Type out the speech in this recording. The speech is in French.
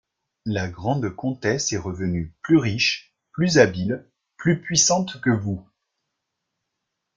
La grande comtesse est revenue, plus riche, plus habile, plus puissante que vous.